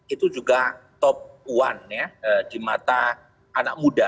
itu juga top one ya di mata anak muda